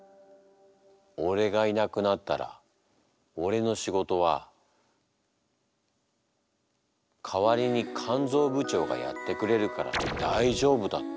俺がいなくなったら俺の仕事は「代わりに肝ぞう部長がやってくれるから大丈夫だ」って。